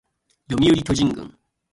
読売巨人軍